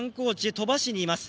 鳥羽市にいます。